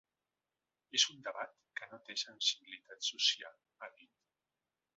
És un debat que no té sensibilitat social, ha dit.